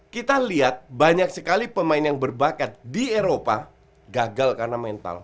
kita lihat banyak sekali pemain yang berbakat di eropa gagal karena mental